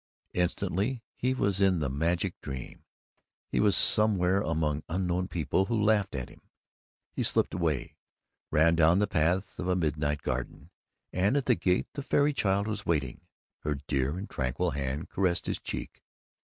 Instantly he was in the magic dream. He was somewhere among unknown people who laughed at him. He slipped away, ran down the paths of a midnight garden, and at the gate the fairy child was waiting. Her dear and tranquil hand caressed his cheek.